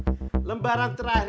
nah lembaran terakhir